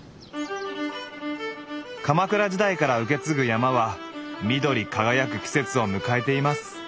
鎌倉時代から受け継ぐ山は緑輝く季節を迎えています。